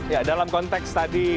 ya dalam konteks tadi